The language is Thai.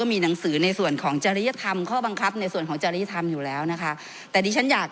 มีท่านสมาชิก